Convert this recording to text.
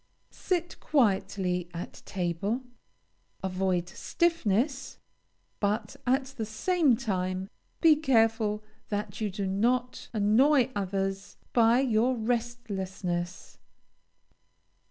Sit quietly at table, avoid stiffness, but, at the same time, be careful that you do not annoy others by your restlessness.